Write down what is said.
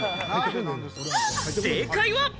正解は。